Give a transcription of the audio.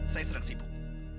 saya sedang sibuk